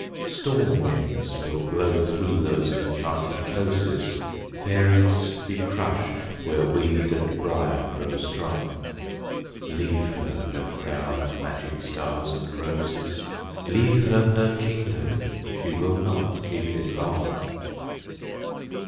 Storm winds will blow through those enchanted closes, Fairies be crushed where weed and briar grow strong ... Leave her her crown of magic stars and roses, Leave her her kingdom—she will not keep it long!